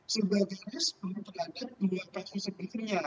sebagiannya sebetulnya terhadap dua kasus sebetulnya